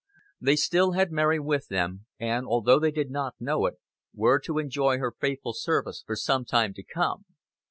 They still had Mary with them, and, although they did not know it, were to enjoy her faithful service for some time to come.